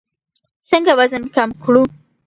څنګه وزن کم کړو؟